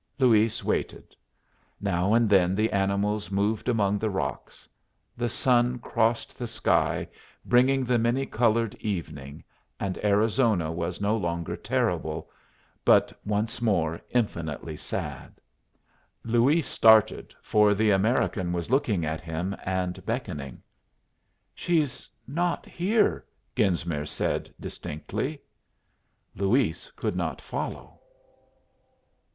Luis waited; now and then the animals moved among the rocks. The sun crossed the sky, bringing the many colored evening, and Arizona was no longer terrible, but once more infinitely sad. Luis started, for the American was looking at him and beckoning. "She's not here," Genesmere said, distinctly. Luis could not follow.